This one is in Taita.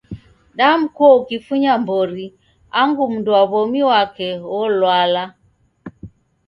Damkua ukifunya mbori angu mundu wa womi wake wolwala.